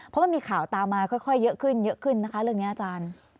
เพราะมันมีข่าวตามมาค่อยเยอะขึ้นเยอะขึ้นนะคะเรื่องนี้อาจารย์